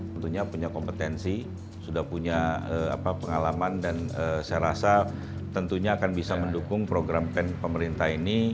tentunya punya kompetensi sudah punya pengalaman dan saya rasa tentunya akan bisa mendukung program pen pemerintah ini